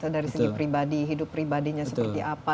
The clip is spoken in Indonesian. dari segi pribadi hidup pribadinya seperti apa